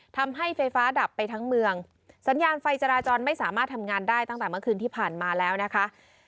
ทำให้ไฟฟ้าดับไปทั้งเมืองสัญญาณไฟจราจรไม่สามารถทำงานได้ตั้งแต่เมื่อคืนที่ผ่านมาแล้วนะคะ